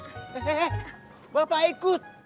eh bapak ikut